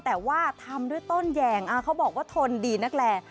แต่ว่าทำด้วยต้นแยงเขาบอกว่าทนดีนักแล